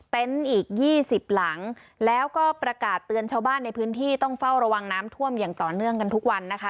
อีก๒๐หลังแล้วก็ประกาศเตือนชาวบ้านในพื้นที่ต้องเฝ้าระวังน้ำท่วมอย่างต่อเนื่องกันทุกวันนะคะ